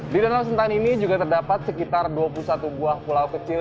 di danau sentani ini juga terdapat sekitar dua puluh satu buah pulau kecil